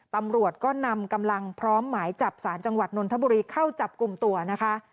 ตำรวจก็นำกำลังพร้อมหมายจับสารจังหวัดนนทบุรีเข้าจับกลุ่มตัวนะคะ